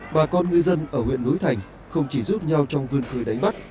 bà con ngư dân ở huyện núi thành không chỉ giúp nhau trong vươn khơi đánh bắt